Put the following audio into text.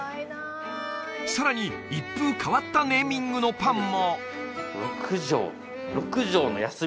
さらに一風変わったネーミングのパンも六条六条のあれ？